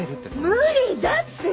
無理だって。